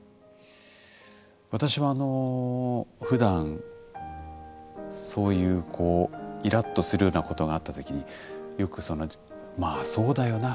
私はふだんそういうイラッとするようなことがあった時によくその何ていうの「まあそうだよな。